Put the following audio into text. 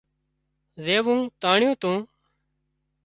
زيوون تانڻيون تو